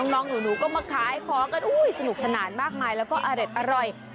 น้องหนูก็มาขายของกันสนุกสนานมากมายแล้วก็อร่อย